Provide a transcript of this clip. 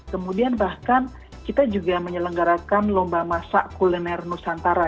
kemudian bahkan kita juga menyelenggarakan lomba masak kuliner nusantara